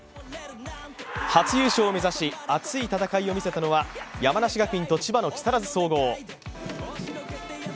初優勝を目指し熱い戦いを見せたのは山梨学院と千葉の木更津総合。